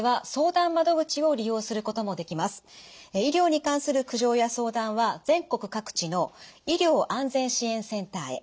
医療に関する苦情や相談は全国各地の医療安全支援センターへ。